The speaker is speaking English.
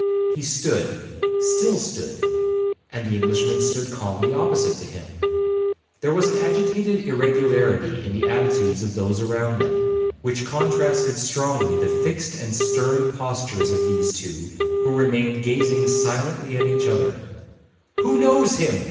He stood—still stood, and the Englishman stood calmly opposite to him. There was an agitated irregularity in the attitudes of those around them, which contrasted strongly the fixed and stern postures of those two, who remained gazing silently at each other 'Who knows him?'